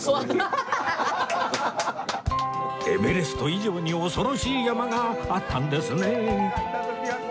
エベレスト以上に恐ろしい山があったんですねえ